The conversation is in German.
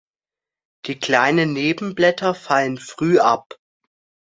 Die kleinen Nebenblätter fallen früh ab.